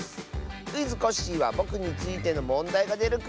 「クイズ！コッシー」はぼくについてのもんだいがでるクイズだよ。